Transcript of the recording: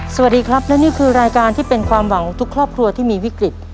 สวัสดีครับและนี่คือรายการที่เป็นความหวังของทุกครอบครัวที่มีวิกฤต